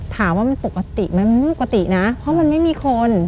ถามว่ามันปกติไหมปกตินะเพราะมันไม่มีคน